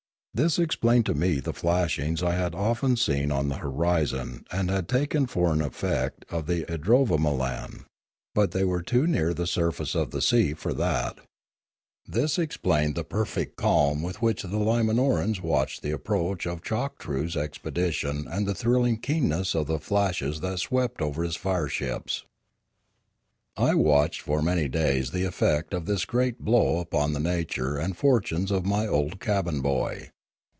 This explained to me the flashings I had often seen on the horizon and had taken for an effect of the idrovamolan; but they were too near the surface of the sea for that. 2 1 2 Limanora This explained the perfect calm with which the Lima norans watched the approach of Choktroo's expedition and the thrilling keenness of the flashes that swept over his fire ships. I watched for many days the effect of this great blow upon the nature and fortunes of my old cabin boy.